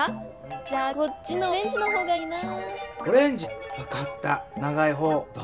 じゃあこっちのオレンジの方がいいなぁ。